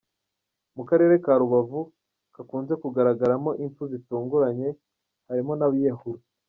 Mu Karere ka Rubavu kakunze kugaragaramo impfu zitunguranye harimo n’abiyahura.